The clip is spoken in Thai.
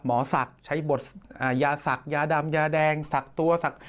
หมอศักดิ์ใช้บทยาศักยาดำยาแดงสักตัวศักดิ์